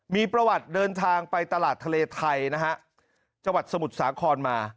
มีประวัติเดินทางไปตลาดทะเลไทยนะฮะจังหวัดสมุทรสาครมา